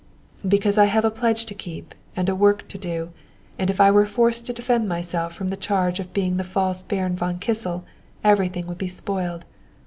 "Because I have a pledge to keep and a work to do, and if I were forced to defend myself from the charge of being the false Baron von Kissel, everything would be spoiled.